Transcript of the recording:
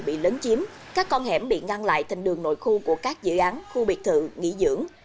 bị lấn chiếm các con hẻm bị ngăn lại thành đường nội khu của các dự án khu biệt thự nghỉ dưỡng